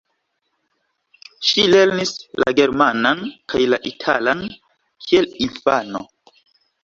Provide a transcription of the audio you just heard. Ŝi lernis la germanan kaj la italan kiel infano.